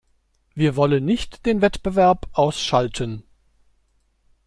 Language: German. Wir wollen nicht den Wettbewerb ausschalten.